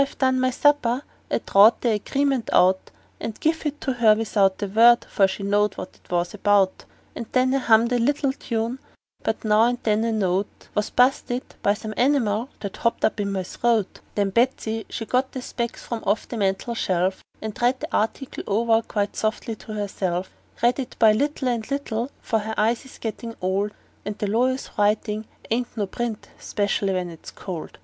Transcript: And when I'd done my supper I drawed the agreement out, And give it to her without a word, for she knowed what 'twas about; And then I hummed a little tune, but now and then a note Was bu'sted by some animal that hopped up in my throat. Then Betsey she got her specs from off the mantel shelf, And read the article over quite softly to herself; Read it by little and little, for her eyes is gettin' old, And lawyers' writin' ain't no print, especially when it's cold.